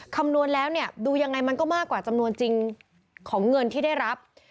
คำนวณแล้วเนี่ยดูยังไงมันก็มากกว่าจำนวนจริงของเงินที่ได้รับ